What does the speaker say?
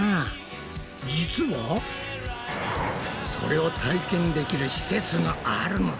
実はそれを体験できる施設があるのだ。